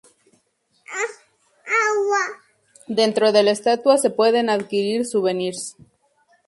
Dentro de la estatua se pueden adquirir souvenirs.